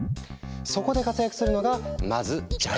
そこで活躍するのがまずジャイロセンサー！